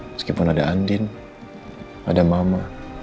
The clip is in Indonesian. meskipun ada andin ada mama